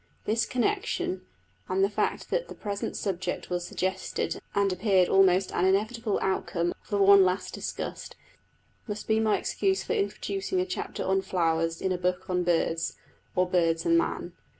This connection, and the fact that the present subject was suggested and appeared almost an inevitable outcome of the one last discussed, must be my excuse for introducing a chapter on flowers in a book on birds or birds and man.